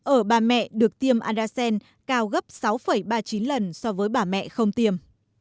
ở bà mẹ được tiêm adasen cao gấp sáu ba mươi chín lần so với bà mẹ không tiêm